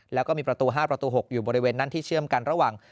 แล้วก็มีประตู๕ประตู๖อยู่บริเวณนั้นที่เชื่อมกันระหว่าง